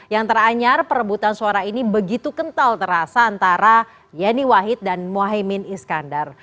yang teranyar perebutan suara ini begitu kental terasa antara yeni wahid dan mohaimin iskandar